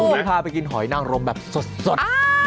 พวกนี้พาไปกินหอยนางรมแบบสด